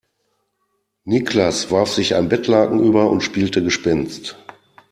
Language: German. Niklas warf sich ein Bettlaken über und spielte Gespenst.